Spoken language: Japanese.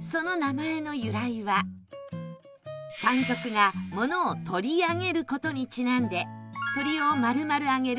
その名前の由来は山賊が物を「取り上げる」事にちなんで鶏を丸々揚げる